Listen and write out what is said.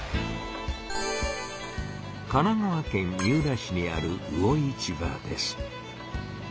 神奈川県三浦市にある魚市場です。